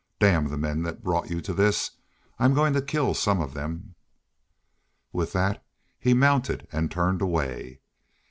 Damn the men that brought you to this! I'm goin' to kill some of them." With that he mounted and turned away.